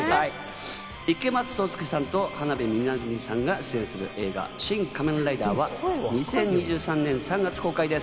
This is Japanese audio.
池松壮亮さんと浜辺美波さんが出演する映画『シン・仮面ライダー』は２０２３年３月公開です。